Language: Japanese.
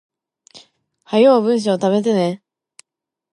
早う文章溜めてね